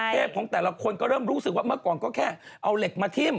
ของแต่ละคนก็เริ่มรู้สึกว่าเมื่อก่อนก็แค่เอาเหล็กมาทิ้ม